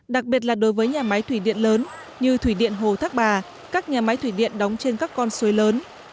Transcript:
đặc biệt là đối với nhà máy thủy điện lớn như thủy điện hồ thác bà các nhà máy thủy điện đóng trên các con suối lớn